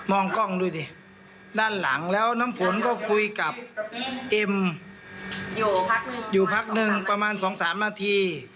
มองกล้องด้วยดิด้านหลังแล้วน้ำฝนก็คุยกับเอ็มอยู่พักนึงประมาณสองสามนาที